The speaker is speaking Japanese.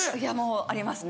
ありますね。